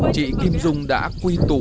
chị kim dung đã quy tụ